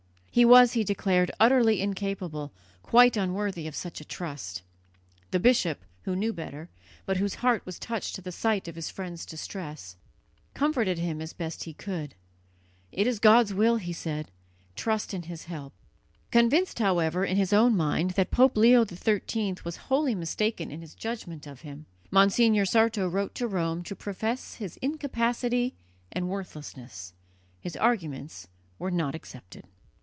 He was, he declared, utterly incapable, quite unworthy of such a trust. The bishop, who knew better, but whose heart was touched at the sight of his friend's distress, comforted him as best he could. "It is God's will," he said; "trust in His help." Convinced, however, in his own mind that Pope Leo XIII was wholly mistaken in his judgment of him, Monsignor Sarto wrote to Rome to profess his incapacity and worthlessness. His arguments were not accepted.